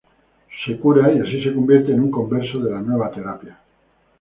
Se cura, y así se convierte en un converso de la nueva terapia.